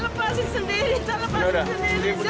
tak lepasin sendiri tak lepasin sendiri